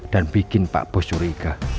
dan bikin pak bos curiga